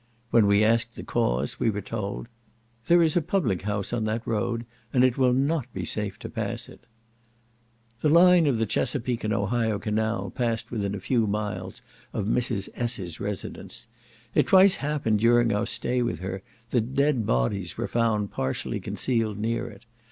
When we asked the cause, we were told, "There is a public house on that road, and it will not be safe to pass it," The line of the Chesapeak and Ohio canal passed within a few miles of Mrs. S—'s residence. It twice happened during our stay with her, that dead bodies were found partially concealed near it.